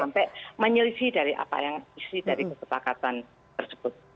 sampai menyelisih dari apa yang isi dari kesepakatan tersebut